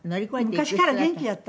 昔から元気やった？